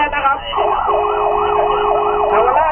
กิ๊ดซ้ายไปก่อนนะครับฉุกเฉินเท่ากันแม่นะครับ